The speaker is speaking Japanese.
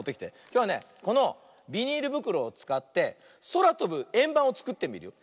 きょうはねこのビニールぶくろをつかってそらとぶえんばんをつくってみるよ。